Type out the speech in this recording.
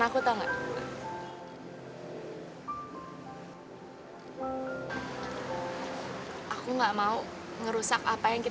keliling sampai tadi